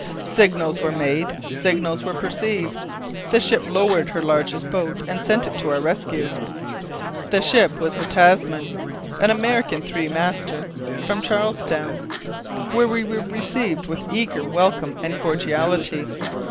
Signals were made, signals were perceived; the ship lowered her largest boat and sent it to our rescue. This ship was the Tasman, an American three master, from Charlestown, where we were received with eager welcome and cordiality.